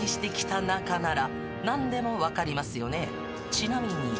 ［ちなみに］